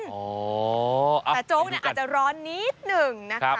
แต่โจ๊กเนี่ยอาจจะร้อนนิดหนึ่งนะคะ